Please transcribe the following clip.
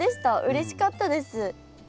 うれしかったです。